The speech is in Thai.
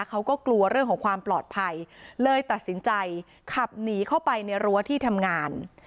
เขาก็กลัวเรื่องของความปลอดภัยเลยตัดสินใจขับหนีเข้าไปในรั้วที่ทำงาน